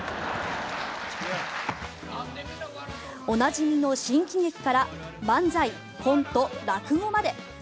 おなじみの新喜劇から漫才、コント、落語まで。